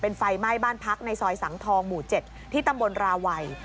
เป็นไฟไหม้บ้านพักในซอยสังทองหมู่๗ที่ตำบลราวัย